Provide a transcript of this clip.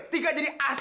tiga jadi asis